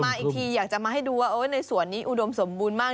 กลับมาอีกทีอยากจะมาให้ดูว่าโอ้ยในสวนนี้อูดมสมบูรณ์มาก